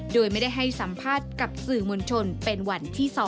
โดยไม่ได้ให้สัมภาษณ์กับสื่อมวลชนเป็นวันที่๒